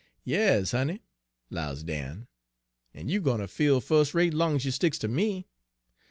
" 'Yas, honey,' 'lows Dan, 'en you gwine ter feel fus' rate long ez you sticks ter me.